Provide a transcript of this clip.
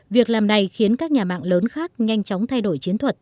việc làm này khiến các nhà mạng lớn khác nhanh chóng thay đổi chiến thuật